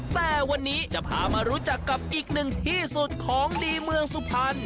แต่วันนี้จะพามารู้จักกับอีกหนึ่งที่สุดของดีเมืองสุพรรณ